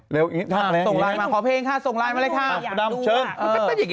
แล้วชี้หาพี่หนุ่มด้วยชี้หาพี่หนุ่มด้วย